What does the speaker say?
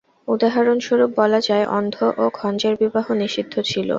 উদাহরণস্বরূপ বলা যায়, অন্ধ ও খঞ্জের বিবাহ নিষিদ্ধ ছিল।